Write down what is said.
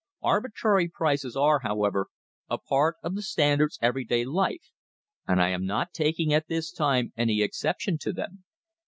Arbitrary prices are, however, a part of the Standard's every day life, and I am not taking at this time any exception to them.